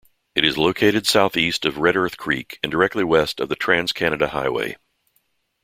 It is located southeast of Redearth Creek and directly west of the Trans-Canada Highway.